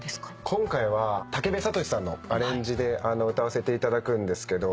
今回は武部聡志さんのアレンジで歌わせていただくんですけど。